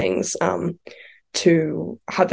untuk memiliki percakapan dan tidak terlalu takut